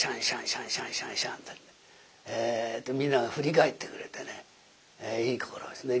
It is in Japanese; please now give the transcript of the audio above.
シャンシャンシャンシャンって皆が振り返ってくれてねいいところですね。